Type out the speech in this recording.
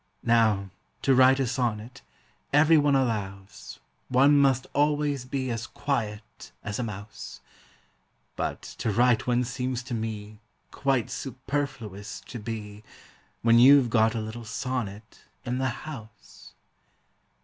Now, to write a sonnet, every one allows, One must always be as quiet as a mouse; But to write one seems to me Quite superfluous to be, When you 've got a little sonnet in the house.